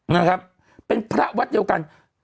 นะครับเป็นพระวัดเดียวกัน